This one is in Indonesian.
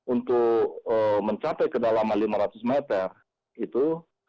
untuk mencapai ke dalam lima ratus meter itu